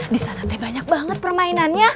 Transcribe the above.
di sana teh banyak banget permainannya